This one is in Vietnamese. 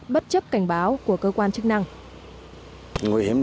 bất chấp cảnh báo của cơ quan chức năng